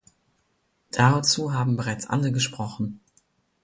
Dazu haben bereits alle gesprochen.